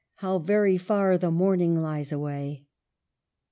how very far The morning lies away."